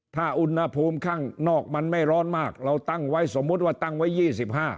ถ้าอุณหภูมิข้างนอกมันไม่ร้อนมากเราตั้งไว้สมมุติว่าตั้งไว้๒๕